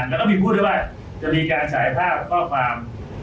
และก็มีพูดว่าจะมีการสหายภาคหรือบอกความ